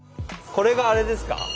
これがあれですか？